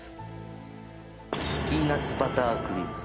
ピーナッツバタークリームです。